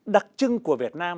đặc trưng của việt nam